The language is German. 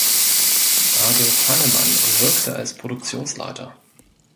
Adolf Hannemann wirkte als Produktionsleiter.